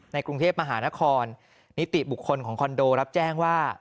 กรุงเทพมหานครนิติบุคคลของคอนโดรับแจ้งว่า